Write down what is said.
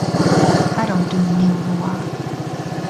I don't do neo-noir.